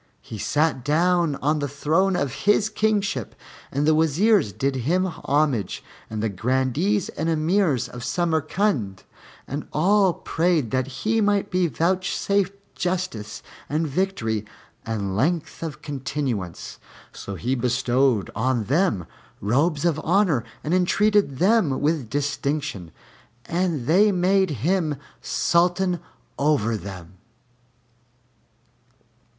He sat down on the throne of his kingship, and the Wazirs did him homage and the Grandees and Emirs of Samarcand, and all prayed that he might be vouchsafed justice and victory and length of continuance. So he bestowed on them robes of honor and entreated them with distinction, and they made him Sultan over them.